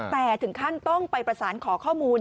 แต่ถึงขั้นต้องไปประสานขอข้อมูล